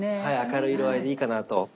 はい明るい色合いでいいかなと。